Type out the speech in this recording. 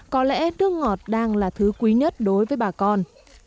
có lẽ nước ngọt đang là thứ quý nhất đối với bà con